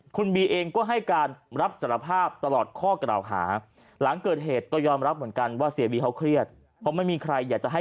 คุณบีเองก็ให้การรับจรภาพตลอดข้อกระดาษหา